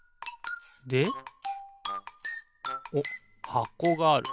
でおっはこがある。